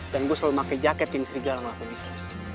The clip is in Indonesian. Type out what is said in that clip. dan gue selalu pakai jaket yang serigala waktu itu